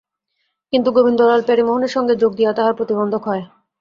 কিন্তু গোবিন্দলাল প্যারীমোহনের সঙ্গে যোগ দিয়া তাঁহার প্রতিবন্ধক হয়।